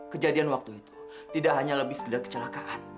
kejadian waktu itu tidak hanya lebih sekedar kecelakaan